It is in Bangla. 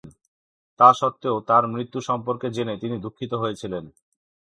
তা সত্ত্বেও, তার মৃত্যু সম্বন্ধে জেনে তিনি দুঃখিত হয়েছিলেন।